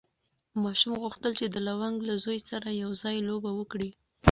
ماشوم غوښتل چې د لونګ له زوی سره یو ځای لوبه وکړي.